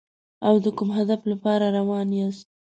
او د کوم هدف لپاره روان یاست.